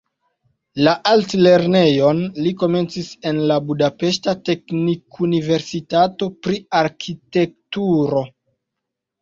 La altlernejon li komencis en la budapeŝta teknikuniversitato pri arkitekturo.